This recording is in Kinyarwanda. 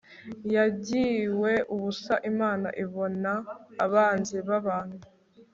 yangiwe ubusa imana ibona abanzi babantu